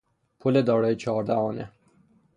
پل دارای چهار دهانه